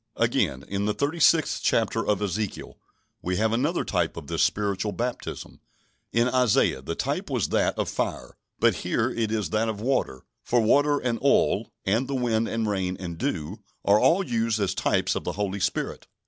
Again, in the thirty sixth chapter of Ezekiel, we have another type of this spiritual baptism. In Isaiah the type was that of fire, but here it is that of water; for water and oil, and the wind and rain and dew, are all used as types of the Holy Spirit.